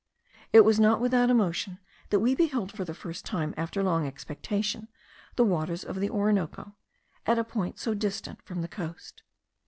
It was not without emotion that we beheld for the first time, after long expectation, the waters of the Orinoco, at a point so distant from the coast.